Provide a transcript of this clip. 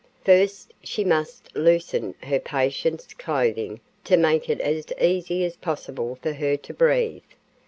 First she must loosen her patient's clothing to make it as easy as possible for her to breathe.